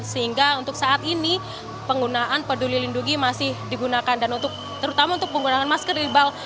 sehingga untuk saat ini penggunaan peduli lindungi masih digunakan dan terutama untuk penggunaan masker iqbal